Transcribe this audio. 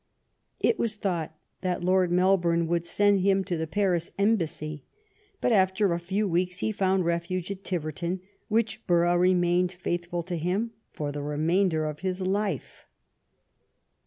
It was thought that Lord Melbourne would send him to the Paris Embassy ; but after a few weeks he found refuge at Tiverton, which borough remained faithful to him for the remainder of his life.